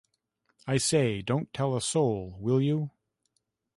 I say, don't tell a soul, will you?